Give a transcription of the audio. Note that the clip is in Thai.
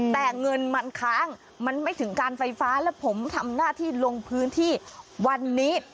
แต่เงินมันค้างมันไม่ถึงการไฟฟ้าและผมทำหน้าที่ลงพื้นที่วันนี้